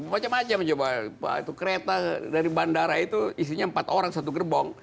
macem macem itu kereta dari bandara itu isinya empat orang satu gerbong